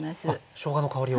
しょうがの香りを。